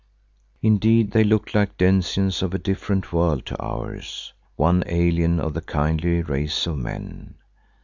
Indeed, they looked like denizens of a different world to ours, one alien to the kindly race of men.